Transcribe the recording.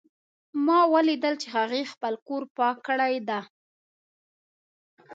ما ولیدل چې هغې خپل کور پاک کړی ده